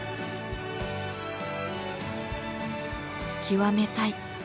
極めたい。